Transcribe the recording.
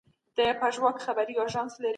تاسو بايد خپله خپلواکي وساتئ.